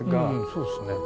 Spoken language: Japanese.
そうですね。